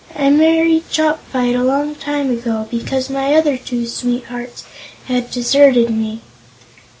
"I married Chopfyt a long time ago, because my other two sweethearts had deserted me."